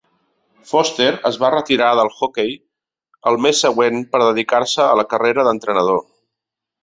Foster es va retirar del hoquei el mes següent per dedicar-se a la carrera d'entrenador.